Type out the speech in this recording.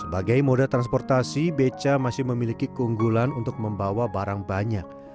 sebagai moda transportasi beca masih memiliki keunggulan untuk membawa barang banyak